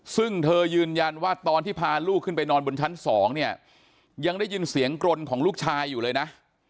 ซึ่งเธอยืนยันว่าตอนที่พาลูกขึ้นไปนอนบนชั้น๒เนี่ยยังได้ยินเสียงกรนของลูกชายอยู่เลยนะ